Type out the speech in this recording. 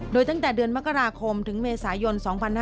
โดยตั้งแต่เดือนมกราคมถึงเมษายน๒๕๕๙